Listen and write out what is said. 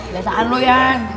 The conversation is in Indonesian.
kebiasaan lo yan